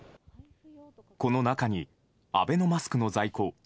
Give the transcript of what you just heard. この中にアベノマスクの在庫